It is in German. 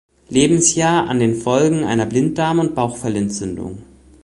Lebensjahr an den Folgen einer Blinddarm- und Bauchfellentzündung.